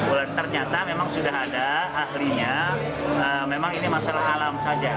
ular ternyata memang sudah ada ahlinya memang ini masalah alam saja